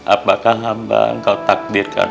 apakah hamba engkau takdirkan